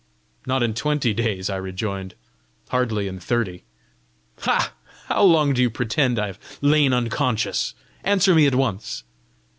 "Not in twenty days," I rejoined, "hardly in thirty!" "Ha! How long do you pretend I have lain unconscious? Answer me at once."